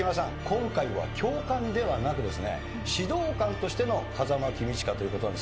今回は教官ではなく指導官としての風間公親ということなんですが。